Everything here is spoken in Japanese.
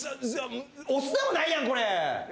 お酢でもないやんこれ。